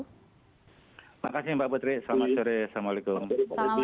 terima kasih mbak putri selamat sore assalamualaikum